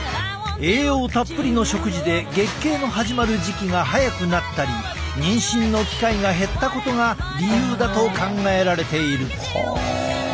栄養たっぷりの食事で月経の始まる時期が早くなったり妊娠の機会が減ったことが理由だと考えられている。